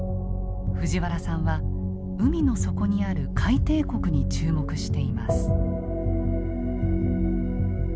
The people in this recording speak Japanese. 藤原さんは海の底にある海底谷に注目しています。